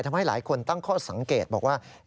ทำให้หลายคนตั้งข้อสังเกตบอกว่า